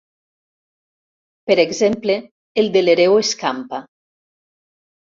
Per exemple el de l'hereu escampa.